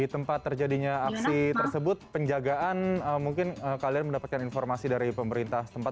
di tempat terjadinya aksi tersebut penjagaan mungkin kalian mendapatkan informasi dari pemerintah tempat